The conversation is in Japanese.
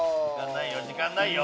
時間ないよ